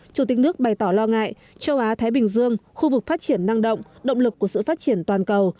chủ tịch nước bày tỏ lo ngại châu á thái bình dương khu vực phát triển năng động động lực của sự phát triển toàn cầu